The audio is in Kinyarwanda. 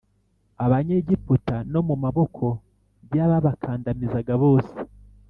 Abanyegiputa no mu maboko y ababakandamizaga bose